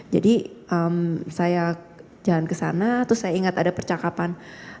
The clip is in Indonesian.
jadi saya jalan kesana terus saya ingat ada percakapan